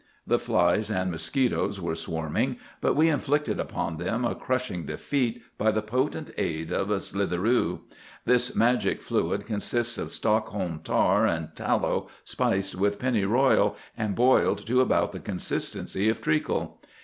The flies and mosquitoes were swarming, but we inflicted upon them a crushing defeat by the potent aid of "slitheroo." This magic fluid consists of Stockholm tar and tallow spiced with pennyroyal, and boiled to about the consistency of treacle.